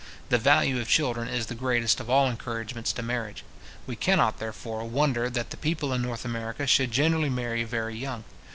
The value of children is the greatest of all encouragements to marriage. We cannot, therefore, wonder that the people in North America should generally marry very young.